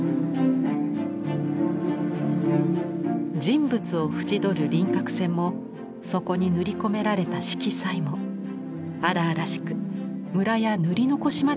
人物を縁取る輪郭線もそこに塗り込められた色彩も荒々しくムラや塗り残しまで見えます。